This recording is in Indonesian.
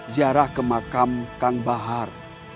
ziarah ke makam kang bahar